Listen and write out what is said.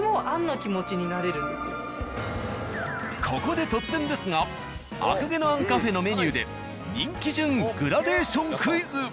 ここで突然ですが「赤毛のアンカフェ」のメニューで人気順グラデーションクイズ。